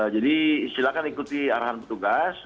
jadi silakan ikuti arahan petugas